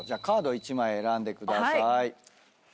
カード１枚選んでください。